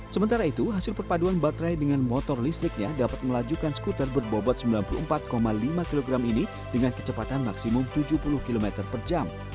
sementara itu hasil perpaduan baterai dengan motor listriknya dapat melajukan skuter berbobot sembilan puluh empat lima kg ini dengan kecepatan maksimum tujuh puluh km per jam